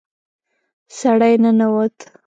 سړی ننوت.